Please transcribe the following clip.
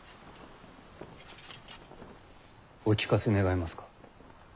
お聞かせ願えますか。